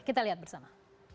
kita lihat bersama